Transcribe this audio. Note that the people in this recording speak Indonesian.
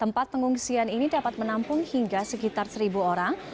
tempat pengungsian ini dapat menampung hingga sekitar seribu orang